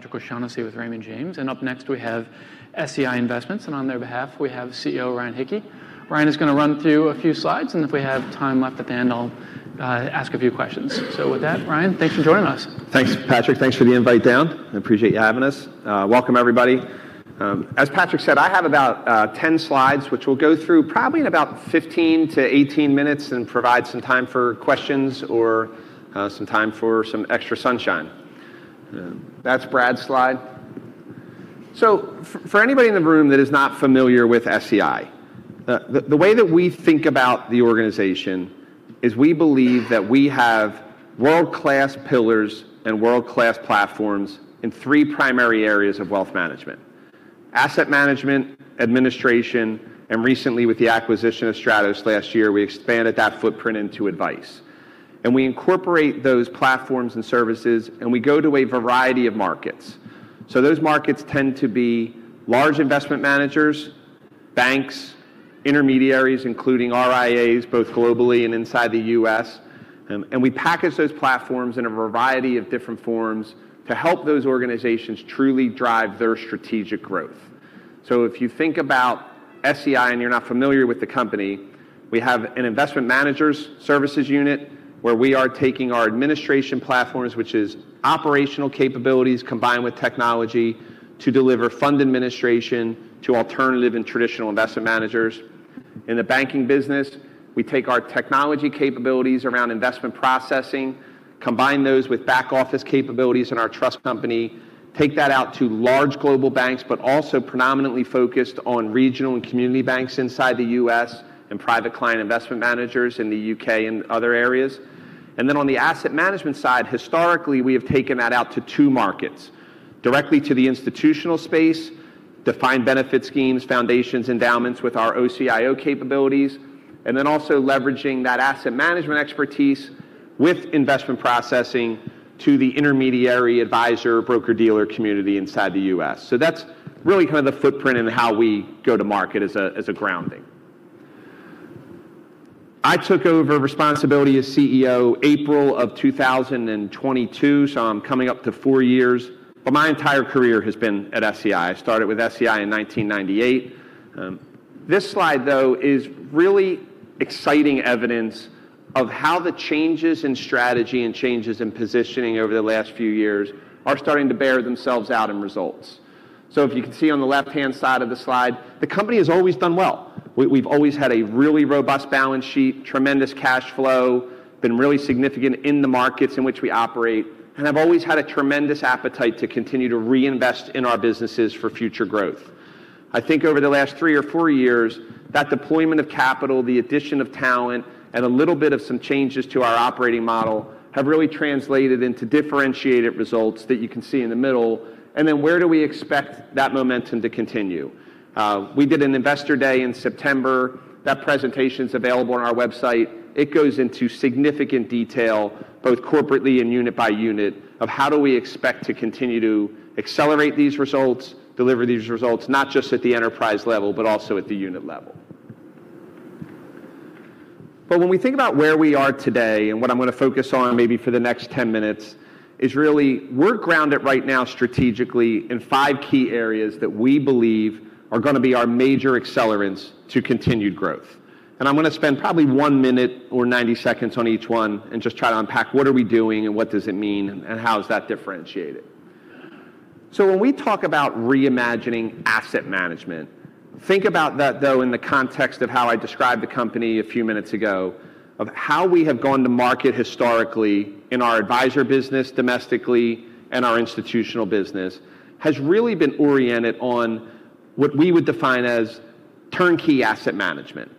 Patrick O'Shaughnessy with Raymond James. Up next, we have SEI Investments, and on their behalf, we have CEO Ryan Hicke. Ryan is going to run through a few slides, and if we have time left at the end, I'll ask a few questions. With that, Ryan, thanks for joining us. Thanks, Patrick. Thanks for the invite down. I appreciate you having us. Welcome, everybody. As Patrick said, I have about 10 slides, which we'll go through probably in about 15-18 minutes and provide some time for questions or some time for some extra sunshine. That's Brad's slide. For anybody in the room that is not familiar with SEI, the way that we think about the organization is we believe that we have world-class pillars and world-class platforms in three primary areas of wealth management. Asset management, administration, and recently with the acquisition of Stratos last year, we expanded that footprint into advice. We incorporate those platforms and services, and we go to a variety of markets. Those markets tend to be large investment managers, banks, intermediaries, including RIAs, both globally and inside the U.S. We package those platforms in a variety of different forms to help those organizations truly drive their strategic growth. If you think about SEI and you're not familiar with the company, we have an Investment Managers Services unit where we are taking our administration platforms, which is operational capabilities combined with technology to deliver fund administration to alternative and traditional investment managers. In the banking business, we take our technology capabilities around investment processing, combine those with back-office capabilities in our trust company, take that out to large global banks, but also predominantly focused on regional and community banks inside the U.S. and private client investment managers in the U.K. and other areas. Then on the asset management side, historically, we have taken that out to two markets. Directly to the institutional space, defined benefit schemes, foundations, endowments with our OCIO capabilities, and then also leveraging that asset management expertise with investment processing to the intermediary advisor, broker-dealer community inside the U.S. That's really kind of the footprint and how we go to market as a grounding. I took over responsibility as CEO April of 2022, so I'm coming up to four years. My entire career has been at SEI. I started with SEI in 1998. This slide, though, is really exciting evidence of how the changes in strategy and changes in positioning over the last few years are starting to bear themselves out in results. If you can see on the left-hand side of the slide, the company has always done well. We've always had a really robust balance sheet, tremendous cash flow, been really significant in the markets in which we operate, and have always had a tremendous appetite to continue to reinvest in our businesses for future growth. I think over the last three or four years, that deployment of capital, the addition of talent, and a little bit of some changes to our operating model have really translated into differentiated results that you can see in the middle. Where do we expect that momentum to continue? We did an investor day in September. That presentation's available on our website. It goes into significant detail, both corporately and unit by unit, of how do we expect to continue to accelerate these results, deliver these results, not just at the enterprise level, but also at the unit level. When we think about where we are today, and what I'm gonna focus on maybe for the next 10 minutes, is really we're grounded right now strategically in five key areas that we believe are gonna be our major accelerants to continued growth. I'm gonna spend probably one minute or 90 seconds on each one and just try to unpack what are we doing and what does it mean and how is that differentiated. When we talk about reimagining asset management, think about that, though, in the context of how I described the company a few minutes ago, of how we have gone to market historically in our advisor business domestically and our institutional business has really been oriented on what we would define as turnkey asset management.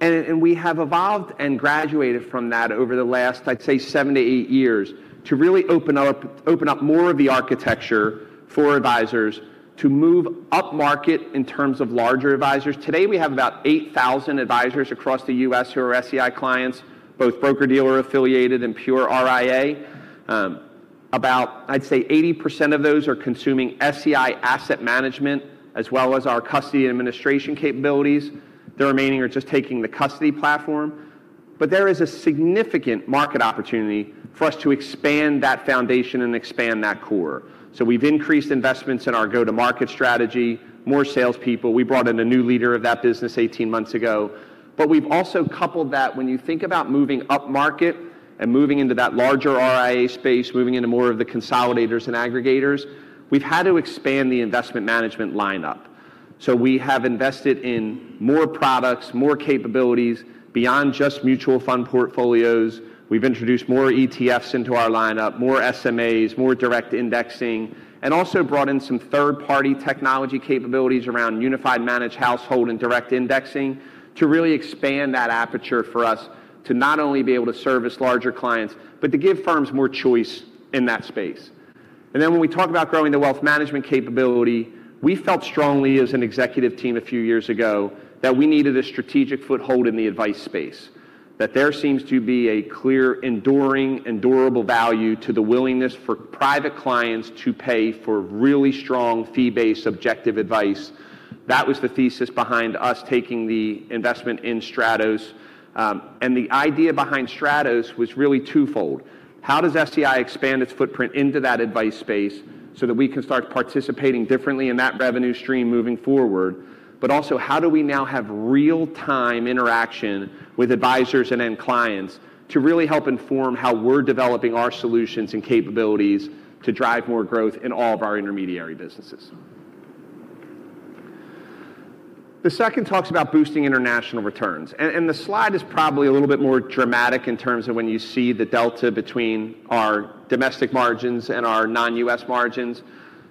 We have evolved and graduated from that over the last, I'd say, 7-8 years to really open up more of the architecture for advisors to move upmarket in terms of larger advisors. Today, we have about 8,000 advisors across the U.S. who are SEI clients, both broker-dealer affiliated and pure RIA. About, I'd say 80% of those are consuming SEI asset management as well as our custody and administration capabilities. The remaining are just taking the custody platform. There is a significant market opportunity for us to expand that foundation and expand that core. We've increased investments in our go-to-market strategy, more salespeople. We brought in a new leader of that business 18 months ago. We've also coupled that when you think about moving upmarket and moving into that larger RIA space, moving into more of the consolidators and aggregators, we've had to expand the investment management lineup. We have invested in more products, more capabilities beyond just mutual fund portfolios. We've introduced more ETFs into our lineup, more SMAs, more direct indexing, and also brought in some third-party technology capabilities around unified managed household and direct indexing to really expand that aperture for us to not only be able to service larger clients, but to give firms more choice in that space. When we talk about growing the wealth management capability, we felt strongly as an executive team a few years ago that we needed a strategic foothold in the advice space. There seems to be a clear, enduring, and durable value to the willingness for private clients to pay for really strong fee-based objective advice. That was the thesis behind us taking the investment in Stratos. The idea behind Stratos was really twofold. How does SEI expand its footprint into that advice space so that we can start participating differently in that revenue stream moving forward? Also how do we now have real-time interaction with advisors and end clients to really help inform how we're developing our solutions and capabilities to drive more growth in all of our intermediary businesses? The second talks about boosting international returns, and the slide is probably a little bit more dramatic in terms of when you see the delta between our domestic margins and our non-U.S. margins.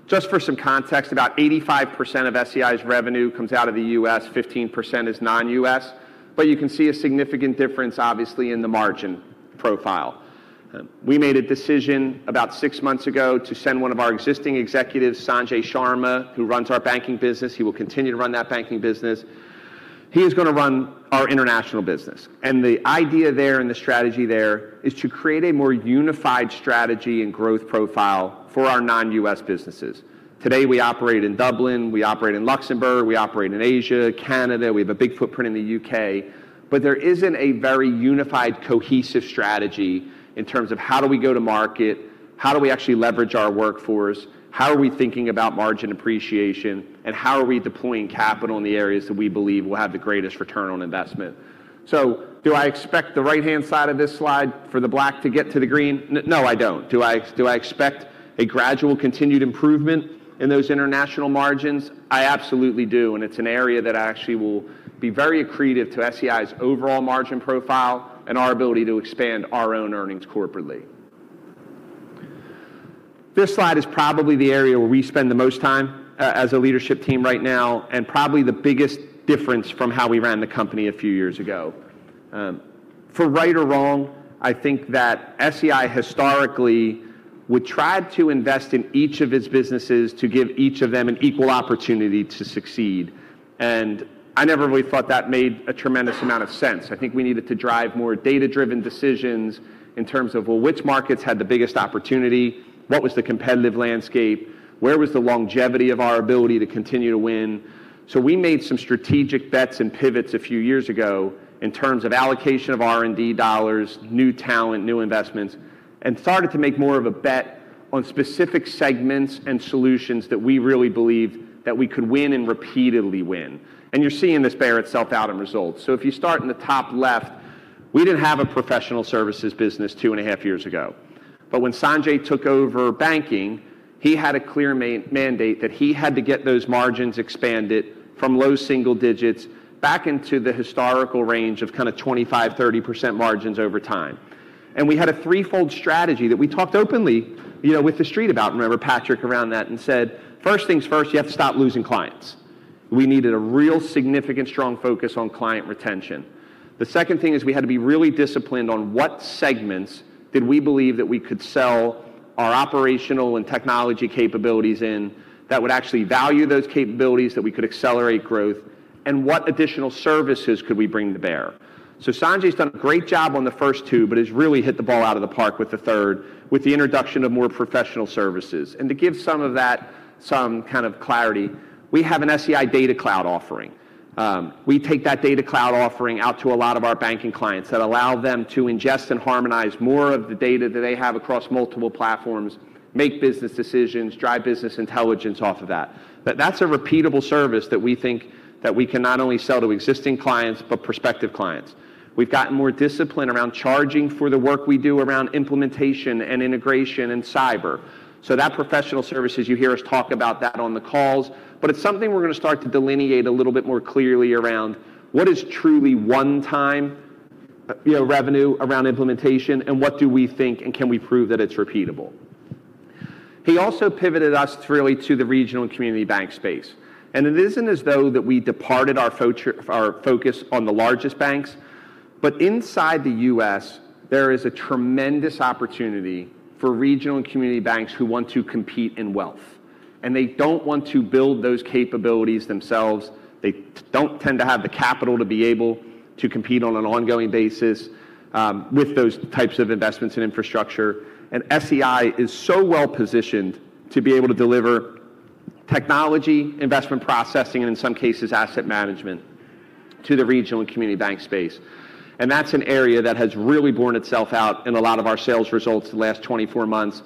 Just for some context, about 85% of SEI's revenue comes out of the U.S., 15% is non-U.S. You can see a significant difference obviously in the margin profile. We made a decision about six months ago to send one of our existing executives, Sanjay Sharma, who runs our banking business. He will continue to run that banking business. He is gonna run our international business. The idea there and the strategy there is to create a more unified strategy and growth profile for our non-U.S. businesses. Today, we operate in Dublin, we operate in Luxembourg, we operate in Asia, Canada. We have a big footprint in the U.K. There isn't a very unified, cohesive strategy in terms of how do we go to market? How do we actually leverage our workforce? How are we thinking about margin appreciation, and how are we deploying capital in the areas that we believe will have the greatest return on investment? Do I expect the right-hand side of this slide for the black to get to the green? No, I don't. Do I expect a gradual continued improvement in those international margins? I absolutely do, and it's an area that actually will be very accretive to SEI's overall margin profile and our ability to expand our own earnings corporately. This slide is probably the area where we spend the most time as a leadership team right now, and probably the biggest difference from how we ran the company a few years ago. For right or wrong, I think that SEI historically would try to invest in each of its businesses to give each of them an equal opportunity to succeed, and I never really thought that made a tremendous amount of sense. I think we needed to drive more data-driven decisions in terms of, well, which markets had the biggest opportunity? What was the competitive landscape? Where was the longevity of our ability to continue to win? We made some strategic bets and pivots a few years ago in terms of allocation of R&D dollars, new talent, new investments, and started to make more of a bet on specific segments and solutions that we really believed that we could win and repeatedly win. You're seeing this bear itself out in results. If you start in the top left, we didn't have a professional services business two and a half years ago. When Sanjay took over banking, he had a clear man-mandate that he had to get those margins expanded from low single digits back into the historical range of kinda 25%, 30% margins over time. We had a threefold strategy that we talked openly, you know, with the street about. Remember Patrick around that and said, "First things first, you have to stop losing clients." We needed a real significant strong focus on client retention. The second thing is we had to be really disciplined on what segments did we believe that we could sell our operational and technology capabilities in that would actually value those capabilities, that we could accelerate growth, and what additional services could we bring to bear? Sanjay's done a great job on the first two, but he's really hit the ball out of the park with the third, with the introduction of more professional services. To give some of that some kind of clarity, we have an SEI Data Cloud offering. We take that Data Cloud offering out to a lot of our banking clients that allow them to ingest and harmonize more of the data that they have across multiple platforms, make business decisions, drive business intelligence off of that. That's a repeatable service that we think that we can not only sell to existing clients but prospective clients. We've gotten more discipline around charging for the work we do around implementation and integration and cyber. That professional services, you hear us talk about that on the calls, but it's something we're gonna start to delineate a little bit more clearly around what is truly one time, you know, revenue around implementation, and what do we think, and can we prove that it's repeatable? He also pivoted us really to the regional and community bank space. It isn't as though that we departed our focus on the largest banks. Inside the U.S., there is a tremendous opportunity for regional and community banks who want to compete in wealth, and they don't want to build those capabilities themselves. They don't tend to have the capital to be able to compete on an ongoing basis, with those types of investments in infrastructure. SEI is so well-positioned to be able to deliver technology, investment processing, and in some cases, asset management to the regional and community bank space. That's an area that has really borne itself out in a lot of our sales results the last 24 months.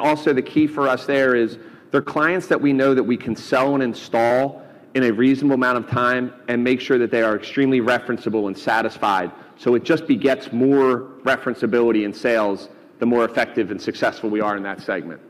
Also the key for us there is they're clients that we know that we can sell and install in a reasonable amount of time and make sure that they are extremely referenceable and satisfied. It just begets more referenceability in sales, the more effective and successful we are in that segment.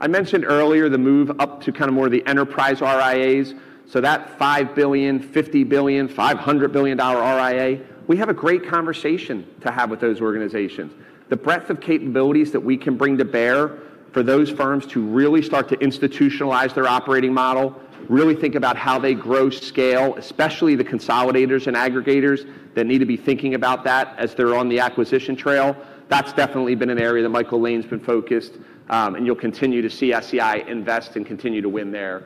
I mentioned earlier the move up to kinda more the enterprise RIAs. That $5 billion, $50 billion, $500 billion RIA, we have a great conversation to have with those organizations. The breadth of capabilities that we can bring to bear for those firms to really start to institutionalize their operating model, really think about how they grow scale, especially the consolidators and aggregators that need to be thinking about that as they're on the acquisition trail. That's definitely been an area that Michael Lane's been focused, and you'll continue to see SEI invest and continue to win there.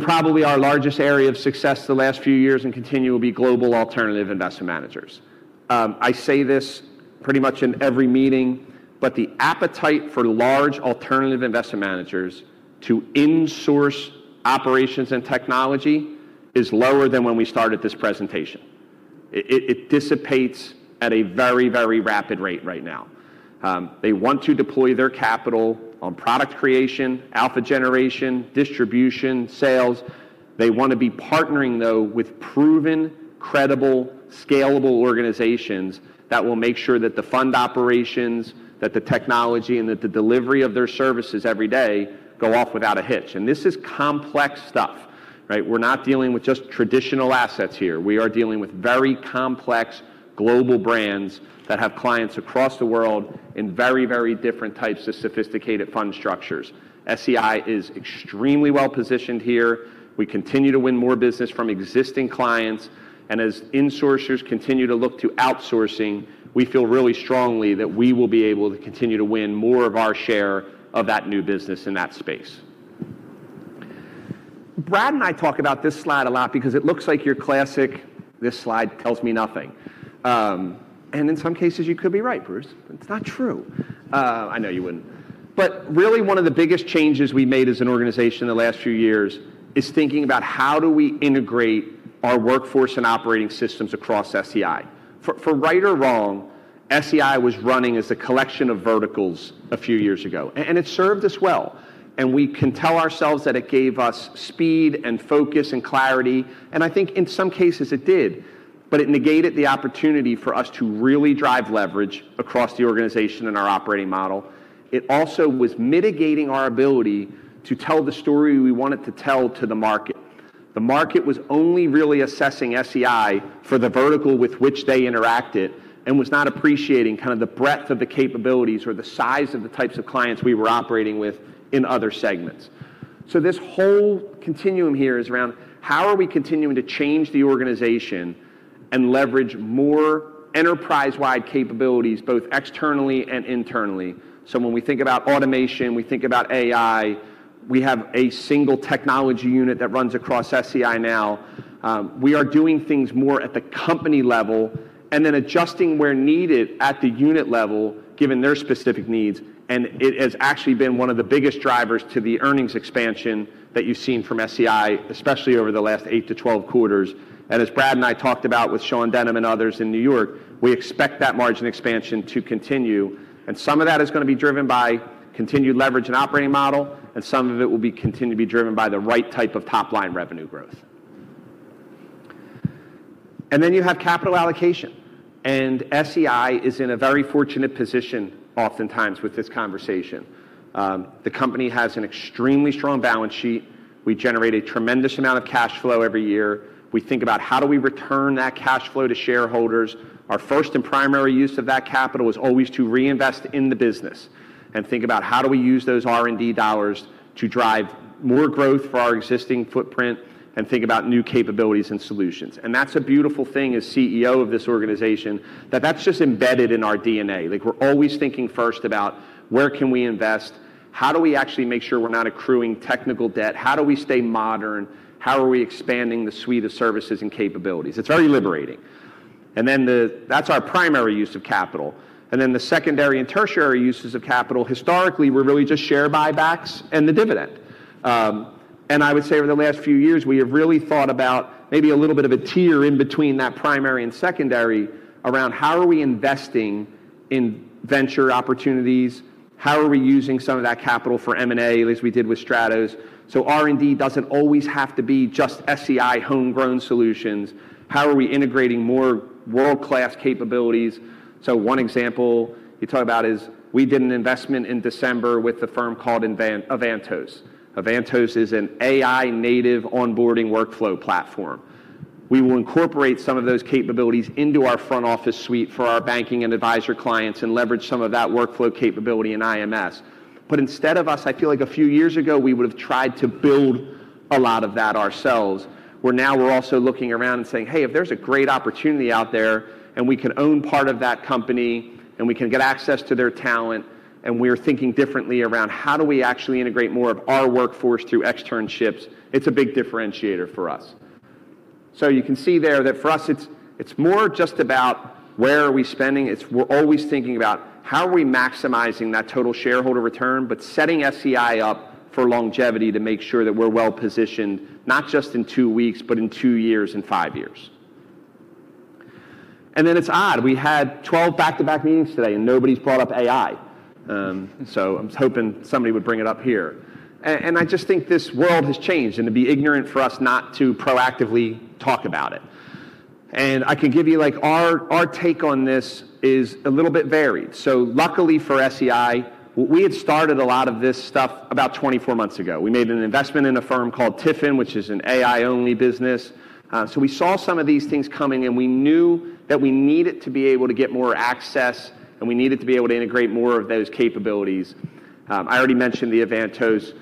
Probably our largest area of success the last few years and continue will be global alternative investment managers. I say this pretty much in every meeting, the appetite for large alternative investment managers to insource operations and technology is lower than when we started this presentation. It dissipates at a very, very rapid rate right now. They want to deploy their capital on product creation, alpha generation, distribution, sales. They wanna be partnering, though, with proven, credible, scalable organizations that will make sure that the fund operations, that the technology, and that the delivery of their services every day go off without a hitch. This is complex stuff, right? We're not dealing with just traditional assets here. We are dealing with very complex global brands that have clients across the world in very, very different types of sophisticated fund structures. SEI is extremely well-positioned here. We continue to win more business from existing clients. As insourcers continue to look to outsourcing, we feel really strongly that we will be able to continue to win more of our share of that new business in that space. Brad and I talk about this slide a lot because it looks like your classic, "This slide tells me nothing." In some cases, you could be right, Bruce. It's not true. I know you wouldn't. Really one of the biggest changes we made as an organization in the last few years is thinking about how do we integrate our workforce and operating systems across SEI. For, for right or wrong, SEI was running as a collection of verticals a few years ago. And it served us well, and we can tell ourselves that it gave us speed and focus and clarity, and I think in some cases it did. It negated the opportunity for us to really drive leverage across the organization and our operating model. It also was mitigating our ability to tell the story we wanted to tell to the market. The market was only really assessing SEI for the vertical with which they interacted and was not appreciating kind of the breadth of the capabilities or the size of the types of clients we were operating with in other segments. This whole continuum here is around how are we continuing to change the organization and leverage more enterprise-wide capabilities both externally and internally. When we think about automation, we think about AI, we have a single technology unit that runs across SEI now. We are doing things more at the company level and then adjusting where needed at the unit level given their specific needs. It has actually been one of the biggest drivers to the earnings expansion that you've seen from SEI, especially over the last 8-12 quarters. As Brad and I talked about with Sean Denham and others in New York, we expect that margin expansion to continue, and some of that is gonna be driven by continued leverage and operating model, and some of it will be continue to be driven by the right type of top-line revenue growth. You have capital allocation, and SEI is in a very fortunate position oftentimes with this conversation. The company has an extremely strong balance sheet. We generate a tremendous amount of cash flow every year. We think about how do we return that cash flow to shareholders. Our first and primary use of that capital is always to reinvest in the business and think about how do we use those R&D dollars to drive more growth for our existing footprint and think about new capabilities and solutions. That's a beautiful thing as CEO of this organization, that that's just embedded in our DNA. Like, we're always thinking first about where can we invest? How do we actually make sure we're not accruing technical debt? How do we stay modern? How are we expanding the suite of services and capabilities? It's very liberating. That's our primary use of capital. The secondary and tertiary uses of capital historically were really just share buybacks and the dividend. I would say over the last few years, we have really thought about maybe a little bit of a tier in between that primary and secondary around how are we investing in venture opportunities? How are we using some of that capital for M&A, as we did with Stratos? R&D doesn't always have to be just SEI homegrown solutions. How are we integrating more world-class capabilities? One example we talk about is we did an investment in December with a firm called Avantos. Avantos is an AI-native onboarding workflow platform. We will incorporate some of those capabilities into our front office suite for our banking and advisor clients and leverage some of that workflow capability in IMS. Instead of us, I feel like a few years ago, we would have tried to build a lot of that ourselves. Now we're also looking around and saying, "Hey, if there's a great opportunity out there, and we can own part of that company, and we can get access to their talent," and we're thinking differently around how do we actually integrate more of our workforce through externships, it's a big differentiator for us. You can see there that for us it's more just about where are we spending. It's we're always thinking about how are we maximizing that total shareholder return, but setting SEI up for longevity to make sure that we're well-positioned, not just in two weeks, but in two years and five years. It's odd. We had 12 back-to-back meetings today, and nobody's brought up AI. I was hoping somebody would bring it up here. I just think this world has changed, and it'd be ignorant for us not to proactively talk about it. I can give you, like, our take on this is a little bit varied. Luckily for SEI, we had started a lot of this stuff about 24 months ago. We made an investment in a firm called TIFIN, which is an AI-only business. We saw some of these things coming, and we knew that we needed to be able to get more access, and we needed to be able to integrate more of those capabilities. I already mentioned the Avantos.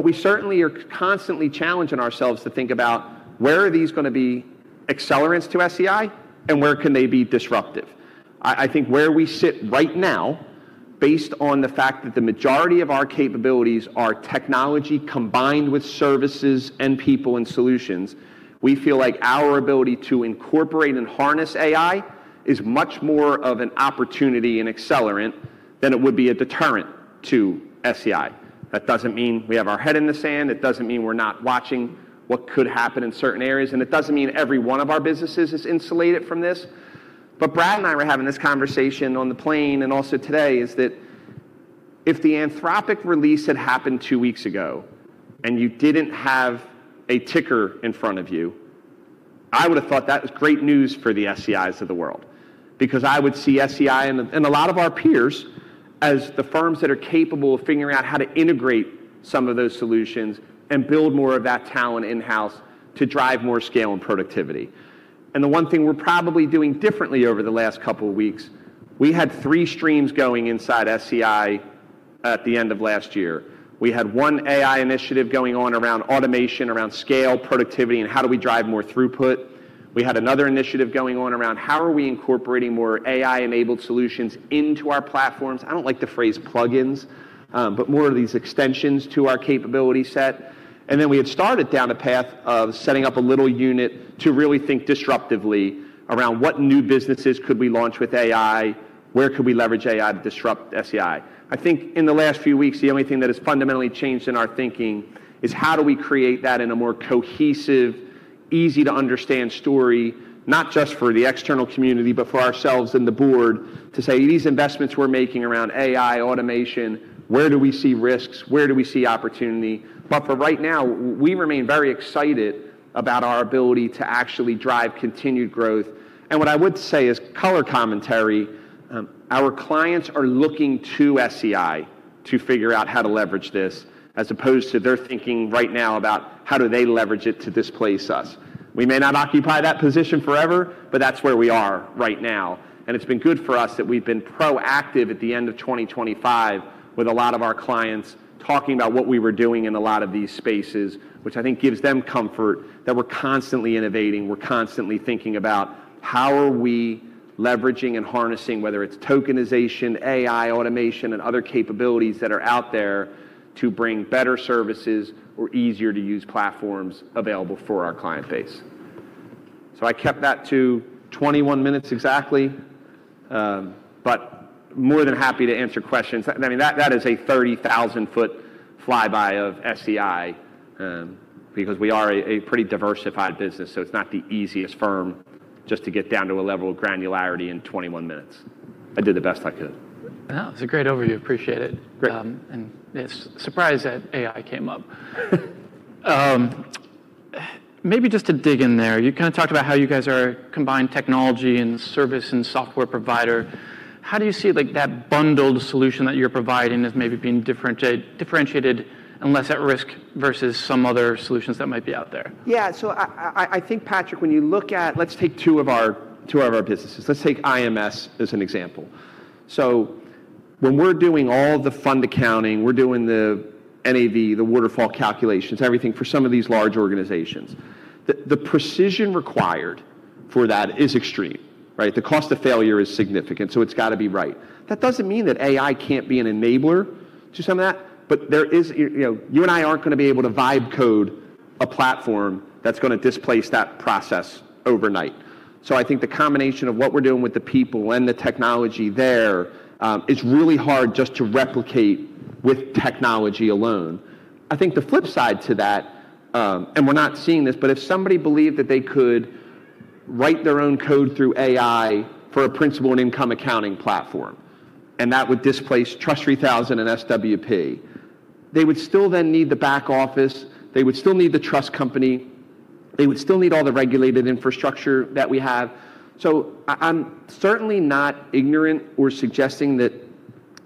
We certainly are constantly challenging ourselves to think about where are these gonna be accelerants to SEI and where can they be disruptive? I think where we sit right now, based on the fact that the majority of our capabilities are technology combined with services and people and solutions, we feel like our ability to incorporate and harness AI is much more of an opportunity and accelerant than it would be a deterrent to SEI. That doesn't mean we have our head in the sand. It doesn't mean we're not watching what could happen in certain areas, and it doesn't mean every one of our businesses is insulated from this. Brad and I were having this conversation on the plane and also today, is that if the Anthropic release had happened two weeks ago and you didn't have a ticker in front of you, I would have thought that was great news for the SEIs of the world because I would see SEI and a lot of our peers as the firms that are capable of figuring out how to integrate some of those solutions and build more of that talent in-house to drive more scale and productivity. The one thing we're probably doing differently over the last couple weeks, we had three streams going inside SEI at the end of last year. We had one AI initiative going on around automation, around scale, productivity, and how do we drive more throughput. We had another initiative going on around how are we incorporating more AI-enabled solutions into our platforms. I don't like the phrase plugins, but more of these extensions to our capability set. Then we had started down a path of setting up a little unit to really think disruptively around what new businesses could we launch with AI, where could we leverage AI to disrupt SEI. I think in the last few weeks, the only thing that has fundamentally changed in our thinking is how do we create that in a more cohesive, easy-to-understand story, not just for the external community, but for ourselves and the board to say these investments we're making around AI, automation, where do we see risks? Where do we see opportunity? For right now, we remain very excited about our ability to actually drive continued growth. What I would say as color commentary, our clients are looking to SEI to figure out how to leverage this as opposed to they're thinking right now about how do they leverage it to displace us. We may not occupy that position forever, but that's where we are right now. It's been good for us that we've been proactive at the end of 2025 with a lot of our clients talking about what we were doing in a lot of these spaces, which I think gives them comfort that we're constantly innovating, we're constantly thinking about how are we leveraging and harnessing, whether it's tokenization, AI, automation, and other capabilities that are out there to bring better services or easier-to-use platforms available for our client base. I kept that to 21 minutes exactly. More than happy to answer questions. I mean, that is a 30,000 ft flyby of SEI, because we are a pretty diversified business, so it's not the easiest firm just to get down to a level of granularity in 21 minutes. I did the best I could. No, it was a great overview. Appreciate it. Great. Yes, surprised that AI came up. Maybe just to dig in there, you kinda talked about how you guys are combined technology and service and software provider. How do you see, like, that bundled solution that you're providing as maybe being differentiated and less at risk versus some other solutions that might be out there? Yeah. I think, Patrick, when you look at. Let's take two of our businesses. Let's take IMS as an example. When we're doing all the fund accounting, we're doing the NAV, the waterfall calculations, everything for some of these large organizations. The precision required for that is extreme, right? The cost of failure is significant, so it's gotta be right. That doesn't mean that AI can't be an enabler to some of that, but there is, you know, you and I aren't gonna be able to write code a platform that's gonna displace that process overnight. I think the combination of what we're doing with the people and the technology there is really hard just to replicate with technology alone. I think the flip side to that, and we're not seeing this, but if somebody believed that they could write their own code through AI for a principal and income accounting platform, and that would displace TRUST 3000 and SWP, they would still then need the back office, they would still need the trust company, they would still need all the regulated infrastructure that we have. I'm certainly not ignorant or suggesting that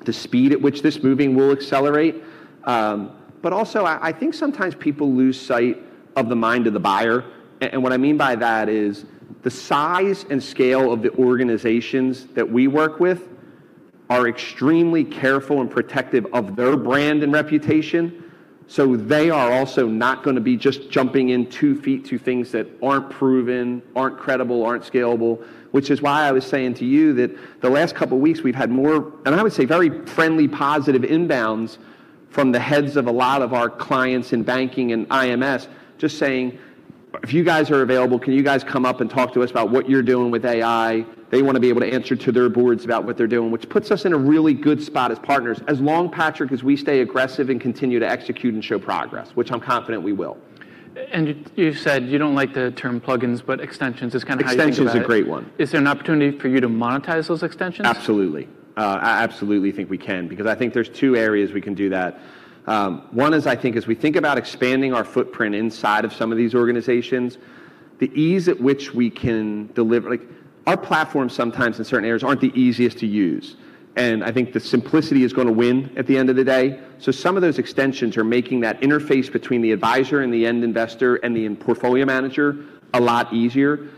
the speed at which this moving will accelerate, but also I think sometimes people lose sight of the mind of the buyer. What I mean by that is the size and scale of the organizations that we work with are extremely careful and protective of their brand and reputation, so they are also not gonna be just jumping in two feet to things that aren't proven, aren't credible, aren't scalable. Which is why I was saying to you that the last couple weeks we've had more, and I would say very friendly, positive inbounds from the heads of a lot of our clients in banking and IMS just saying, "If you guys are available, can you guys come up and talk to us about what you're doing with AI?" They wanna be able to answer to their boards about what they're doing, which puts us in a really good spot as partners, as long, Patrick, as we stay aggressive and continue to execute and show progress, which I'm confident we will. You said you don't like the term plugins, but extensions is kinda how you think about it. Extensions is a great one. Is there an opportunity for you to monetize those extensions? Absolutely. I absolutely think we can because I think there's two areas we can do that. One is I think as we think about expanding our footprint inside of some of these organizations, the ease at which we can deliver. Like, our platforms sometimes in certain areas aren't the easiest to use, and I think the simplicity is gonna win at the end of the day. Some of those extensions are making that interface between the advisor and the end investor and the end portfolio manager a lot easier.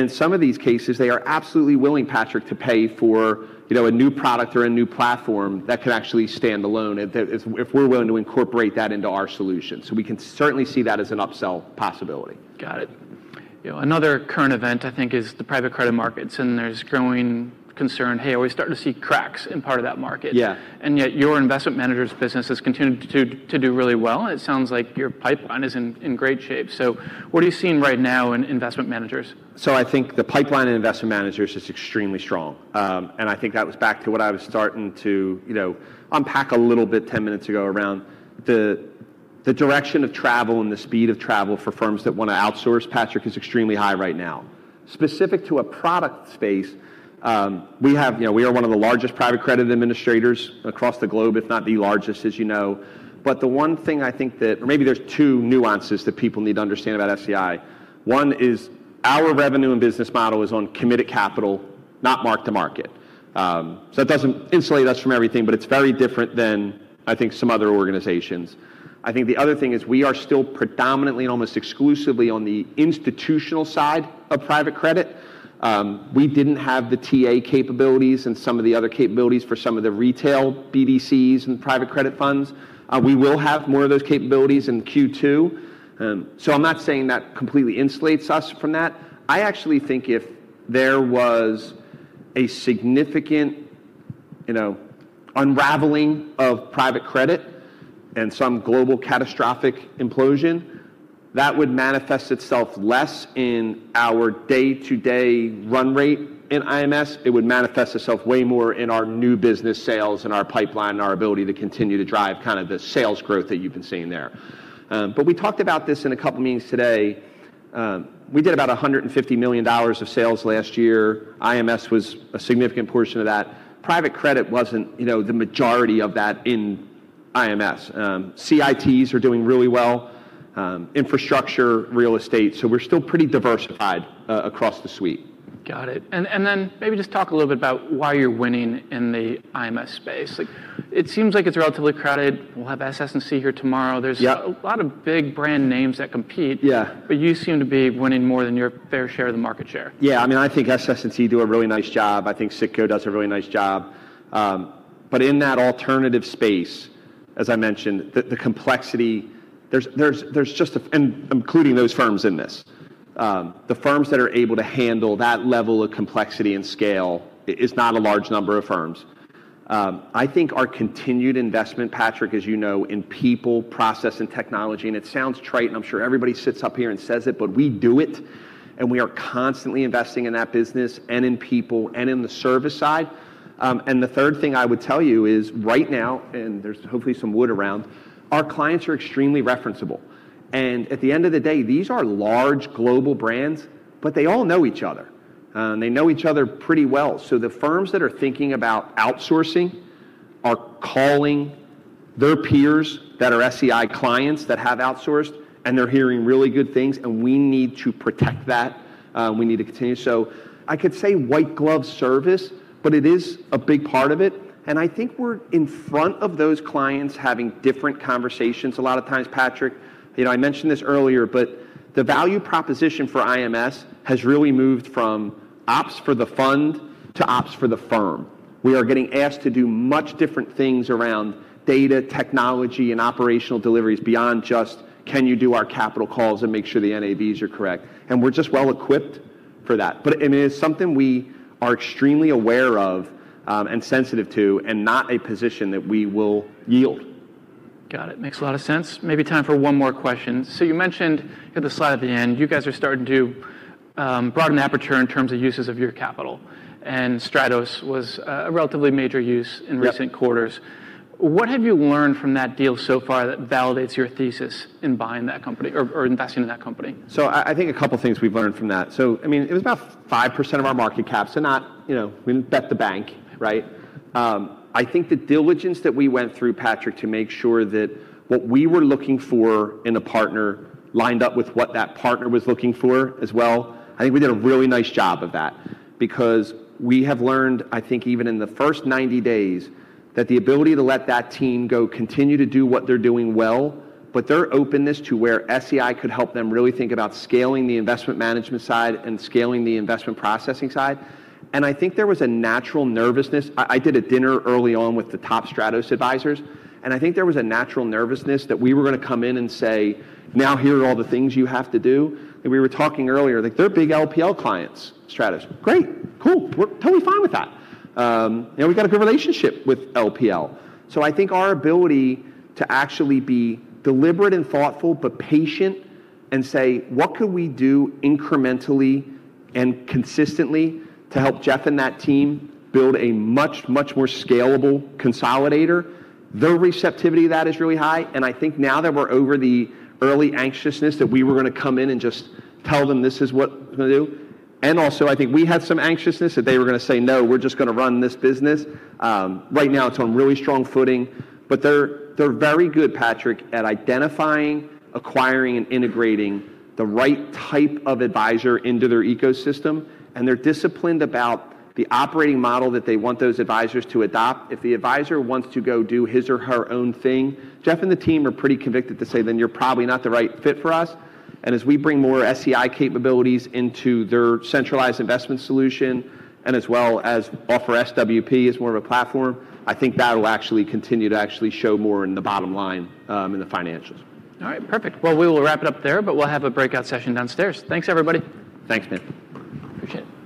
In some of these cases, they are absolutely willing, Patrick, to pay for, you know, a new product or a new platform that could actually stand alone if we're willing to incorporate that into our solution. We can certainly see that as an upsell possibility. Got it. You know, another current event I think is the private credit markets. There's growing concern. Hey, are we starting to see cracks in part of that market? Yeah. Yet your investment managers business has continued to do really well, and it sounds like your pipeline is in great shape. What are you seeing right now in investment managers? I think the pipeline in investment managers is extremely strong. I think that was back to what I was starting to, you know, unpack a little bit 10 minutes ago around the direction of travel and the speed of travel for firms that wanna outsource, Patrick, is extremely high right now. Specific to a product space, you know, we are one of the largest private credit administrators across the globe, if not the largest, as you know. Or maybe there's two nuances that people need to understand about SEI. One is our revenue and business model is on committed capital, not mark to market. It doesn't insulate us from everything, but it's very different than, I think, some other organizations. I think the other thing is we are still predominantly and almost exclusively on the institutional side of private credit. We didn't have the TA capabilities and some of the other capabilities for some of the retail BDCs and private credit funds. We will have more of those capabilities in Q2. I'm not saying that completely insulates us from that. I actually think if there was a significant, you know, unraveling of private credit and some global catastrophic implosion, that would manifest itself less in our day-to-day run rate in IMS. It would manifest itself way more in our new business sales and our pipeline and our ability to continue to drive kinda the sales growth that you've been seeing there. We talked about this in a couple meetings today. We did about $150 million of sales last year. IMS was a significant portion of that. Private credit wasn't, you know, the majority of that in IMS. CITs are doing really well, infrastructure, real estate, so we're still pretty diversified across the suite. Got it. Then maybe just talk a little bit about why you're winning in the IMS space. Like, it seems like it's relatively crowded. We'll have SS&C here tomorrow. Yeah. a lot of big brand names that compete. Yeah. You seem to be winning more than your fair share of the market share. I mean, I think SS&C do a really nice job. I think Citco does a really nice job. In that alternative space, as I mentioned, the complexity, there's just a. Including those firms in this. The firms that are able to handle that level of complexity and scale is not a large number of firms. I think our continued investment, Patrick, as you know, in people, process, and technology, and it sounds trite, and I'm sure everybody sits up here and says it, but we do it, and we are constantly investing in that business and in people and in the service side. The third thing I would tell you is right now, and there's hopefully some wood around, our clients are extremely referenceable. At the end of the day, these are large global brands, but they all know each other. They know each other pretty well. The firms that are thinking about outsourcing are calling their peers that are SEI clients that have outsourced, and they're hearing really good things, and we need to protect that, and we need to continue. I could say white glove service, but it is a big part of it. I think we're in front of those clients having different conversations a lot of times, Patrick. You know, I mentioned this earlier, but the value proposition for IMS has really moved from ops for the fund to ops for the firm. We are getting asked to do much different things around data technology and operational deliveries beyond just, "Can you do our capital calls and make sure the NAVs are correct?" We're just well equipped for that. It is something we are extremely aware of, and sensitive to and not a position that we will yield. Got it. Makes a lot of sense. Maybe time for one more question. You mentioned in the slide at the end, you guys are starting to broaden aperture in terms of uses of your capital, and Stratos was a relatively major use in recent quarters. Yeah. What have you learned from that deal so far that validates your thesis in buying that company or investing in that company? I think a couple things we've learned from that. I mean, it was about 5% of our market cap, so not, you know, we didn't bet the bank, right? I think the diligence that we went through, Patrick, to make sure that what we were looking for in a partner lined up with what that partner was looking for as well, I think we did a really nice job of that because we have learned, I think even in the first 90 days, that the ability to let that team go continue to do what they're doing well, but their openness to where SEI could help them really think about scaling the investment management side and scaling the investment processing side. I think there was a natural nervousness. I did a dinner early on with the top Stratos advisors, I think there was a natural nervousness that we were gonna come in and say, "Now here are all the things you have to do." We were talking earlier, like, they're big LPL clients, Stratos. Great. Cool. We're totally fine with that. you know, we've got a good relationship with LPL. I think our ability to actually be deliberate and thoughtful, but patient and say, "What could we do incrementally and consistently to help Jeff and that team build a much more scalable consolidator?" Their receptivity to that is really high, and I think now that we're over the early anxiousness that we were gonna come in and just tell them, "This is what we're gonna do." Also, I think we had some anxiousness that they were gonna say, "No, we're just gonna run this business." Right now it's on really strong footing. They're very good, Patrick, at identifying, acquiring, and integrating the right type of advisor into their ecosystem, and they're disciplined about the operating model that they want those advisors to adopt. If the advisor wants to go do his or her own thing, Jeff and the team are pretty convicted to say, "Then you're probably not the right fit for us." As we bring more SEI capabilities into their centralized investment solution and as well as offer SWP as more of a platform, I think that'll actually continue to actually show more in the bottom line, in the financials. All right. Perfect. Well, we will wrap it up there, but we'll have a breakout session downstairs. Thanks, everybody. Thanks, man. Appreciate it.